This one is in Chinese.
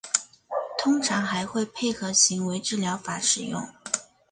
通常还会配合行为治疗法使用。